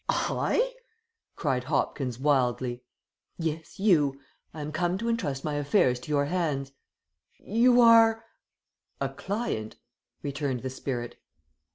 "I?" cried Hopkins, wildly. "Yes, you. I am come to intrust my affairs to your hands." "You are " "A client," returned the spirit.